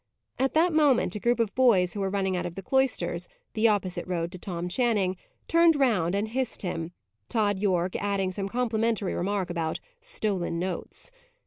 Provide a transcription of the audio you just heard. At that moment a group of boys, who were running out of the cloisters, the opposite road to Tom Channing, turned round and hissed him, Tod Yorke adding some complimentary remark about "stolen notes."